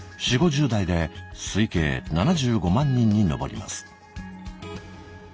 ４０５０代で推計７５万人に上ります。